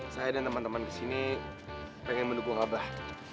saya dan teman teman disini pengen mendukung abah